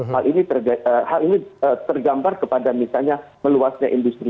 hal ini tergambar kepada misalnya meluasnya industri